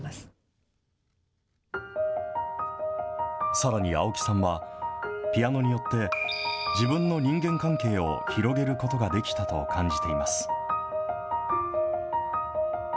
さらに、青木さんはピアノによって自分の人間関係を広げることができたと感じています。